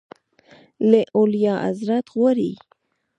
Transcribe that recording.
له اعلیحضرت غواړي.